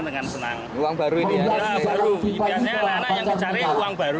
biasanya anak anak yang mencari uang baru